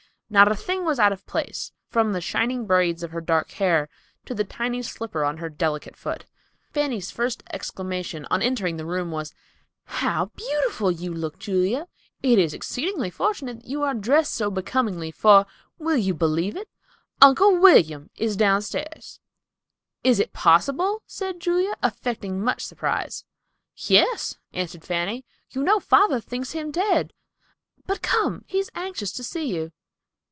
Not a thing was out of place, from the shining braids of her dark hair to the tiny slipper on her delicate foot. Fanny's first exclamation on entering the room was, "How beautiful you look, Julia! It is exceedingly fortunate that you are dressed so becomingly; for, will you believe it, Uncle William is down stairs!" "Is it possible?" said Julia, affecting much surprise. "Yes," answered Fanny. "You know father thinks him dead. But come, he is anxious to see you."